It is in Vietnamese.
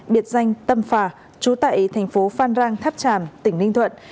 biệt danh tâm phà chú tại thành phố phan rang tháp tràm tỉnh ninh thuận